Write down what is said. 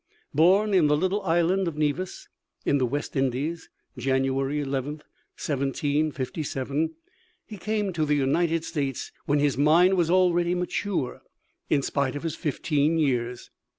Born in the little island of Nevis in the West Indies (January 11, 1757), he came to the United States when his mind was already mature, in spite of his fifteen years.